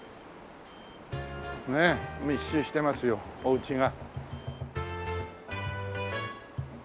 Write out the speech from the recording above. ねっ密集してますよお家が。